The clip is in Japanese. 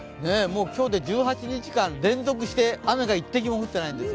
今日で１８日間連続して雨が１滴も降っていないんですよ。